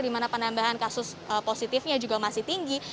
di mana penambahan kasus positifnya juga masih tinggi